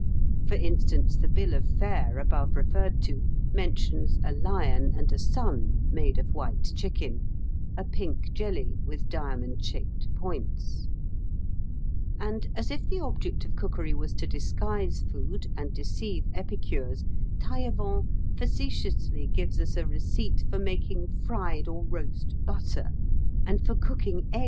For instance, the bill of fare above referred to mentions a lion and a sun made of white chicken, a pink jelly, with diamond shaped points; and, as if the object of cookery was to disguise food and deceive epicures, Taillevent facetiously gives us a receipt for making fried or roast butter and for cooking eggs on the spit.